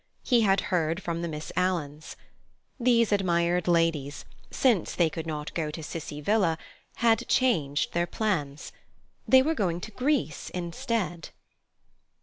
He had heard from the Miss Alans. These admirable ladies, since they could not go to Cissie Villa, had changed their plans. They were going to Greece instead.